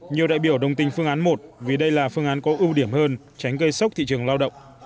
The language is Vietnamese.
nhiều đại biểu đồng tình phương án một vì đây là phương án có ưu điểm hơn tránh gây sốc thị trường lao động